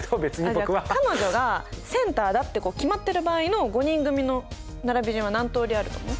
じゃあ彼女がセンターだって決まってる場合の５人組の並び順は何通りあると思う？